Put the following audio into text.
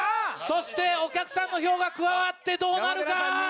そしてお客さんの票が加わってどうなるか？